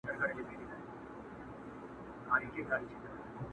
د مینانو د لښکرو قدر څه پیژني.!